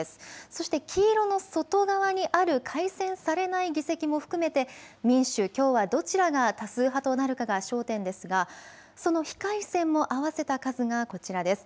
そして黄色の外側にある改選されない議席も含めて民主、共和どちらが多数派となるかが焦点ですが、その非改選も合わせた数がこちらです。